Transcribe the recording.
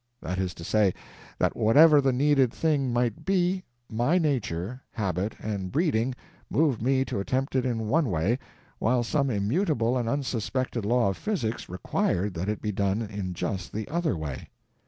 That is to say, that whatever the needed thing might be, my nature, habit, and breeding moved me to attempt it in one way, while some immutable and unsuspected law of physics required that it be done in just the other way.